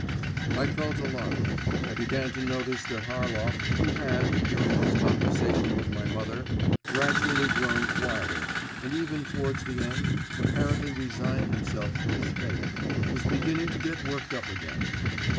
I felt alarmed. I began to notice that Harlov, who had, during his conversation with my mother, gradually grown quieter, and even towards the end apparently resigned himself to his fate, was beginning to get worked up again.